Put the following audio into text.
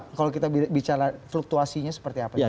kalau kita bicara fluktuasinya seperti apa